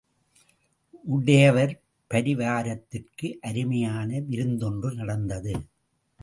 உடையவர் பரிவாரத்திற்கு அருமையான விருந்தொன்று நடந்தது.